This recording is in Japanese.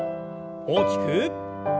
大きく。